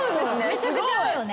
めちゃくちゃ会うよね。